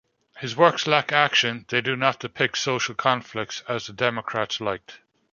His works lack action, they do not depict social conflicts, as the democrats liked.